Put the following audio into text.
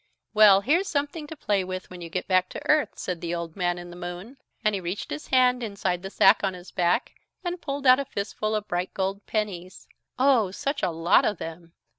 "Well, here's something to play with when you get back to earth," said the Old Man in the Moon. And he reached his hand inside the sack on his back, and pulled out a fistful of bright gold pennies oh, such a lot of them!